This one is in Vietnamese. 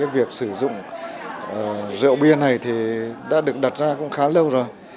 việc sử dụng rượu bia này thì đã được đặt ra cũng khá lâu rồi